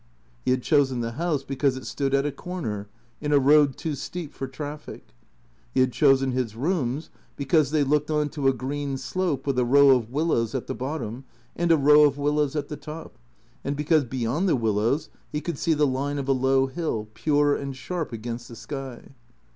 He had chosen the house because it stood at a corner, in a road too steep for traffic. He had chosen his rooms because they looked on to a green slope with a row of willows at the bottom and a row of willows at the top, and because, beyond the willows, he could see the line of a low hill, pure and sharp against the sky.